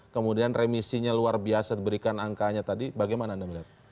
kemudian remisinya luar biasa diberikan angkanya tadi bagaimana anda melihat